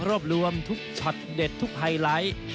รวบรวมทุกช็อตเด็ดทุกไฮไลท์